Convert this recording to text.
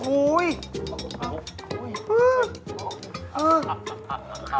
โอ้โฮ